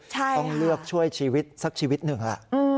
ต้องเลือกช่วยชีวิตสักชีวิตหนึ่งล่ะ